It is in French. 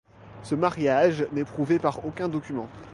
Ce mariage n'est prouvé par aucun document.